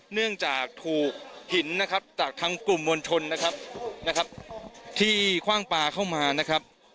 เนื่องจากถูกหินนะครับจากทางกลุ่มมวลชนนะครับนะครับที่คว่างปลาเข้ามานะครับ